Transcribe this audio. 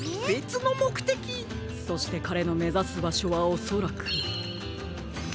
そしてかれのめざすばしょはおそらく。